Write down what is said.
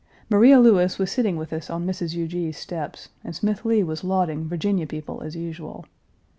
Maria Lewis was sitting with us on Mrs. Huger's steps, and Smith Lee was lauding Virginia people as usual.